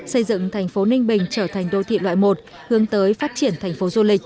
xây dựng thành phố ninh bình trở thành đô thị loại một hướng tới phát triển thành phố du lịch